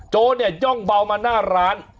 โจรเนี่ยย่องเบามาหน้าร้าน